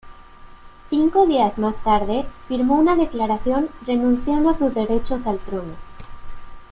Cinco días más tarde firmó una declaración renunciando a sus derechos al trono.